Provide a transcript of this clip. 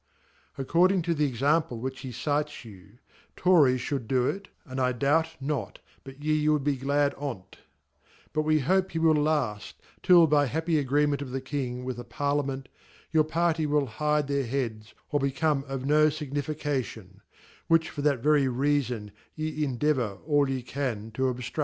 According to the ex ample which he cite}you, Torlesfhdtdddo it, and I doubt not but ye woulJbeghdont; ~ but we hope he V>i£IaJI K till by a happy Agreement of ' the King with a Parlia ment, your Party will hide their heads, or become of magnifica tion ;~ which fa 'that very reafon ye endeavour all ye 9 can tp ob J?